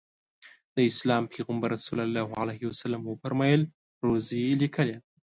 د اسلام پیغمبر ص وفرمایل روزي لیکلې ده.